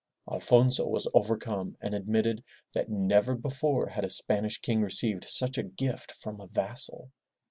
Alfonso was overcome and admitted that never before had a Spanish king received such a gift from a vassal.